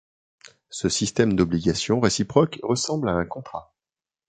Ce système d’obligation réciproque ressemble à un contrat.